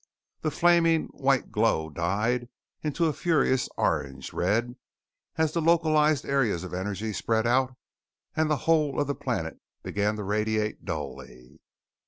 The flaming white glow died into a furious orange red as the localized areas of energy spread out and the whole of the planet began to radiate dully.